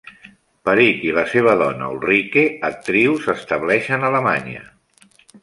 Perick i la seva dona Ulrike, actriu, s'estableixen a Alemanya.